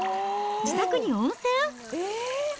自宅に温泉？